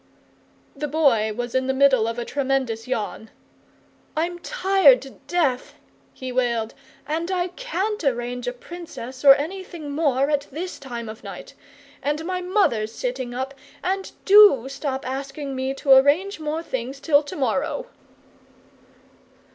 The Boy was in the middle of a tremendous yawn. "I'm tired to death," he wailed, "and I CAN'T arrange a Princess, or anything more, at this time of night. And my mother's sitting up, and DO stop asking me to arrange more things till tomorrow!"